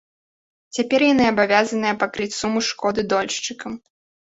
Цяпер яны абавязаныя пакрыць суму шкоды дольшчыкам.